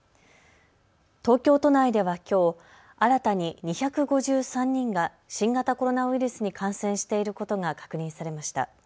東京都内ではきょう新たに２５３人が新型コロナウイルスに感染していることが確認されました。